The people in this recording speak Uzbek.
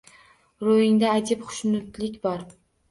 Ro’yingda ajib xushnudlik bor